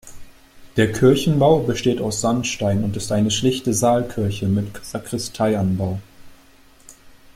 Der Kirchenbau besteht aus Sandstein und ist eine schlichte Saalkirche mit Sakristeianbau.